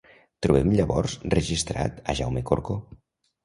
Trobem llavors registrat a Jaume Corcó.